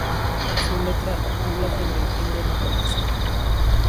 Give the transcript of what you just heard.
Su letra habla sobre el fin de una relación.